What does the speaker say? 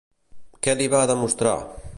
Què li va demostrar?